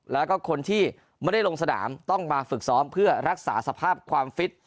แล้วก็คนที่ไม่ได้ลงสนามต้องมาฝึกซ้อมเพื่อรักษาสภาพความฟิต